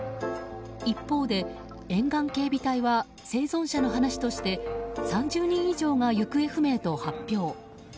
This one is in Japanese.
一方で沿岸警備隊は生存者の話として３０人以上が行方不明と発表。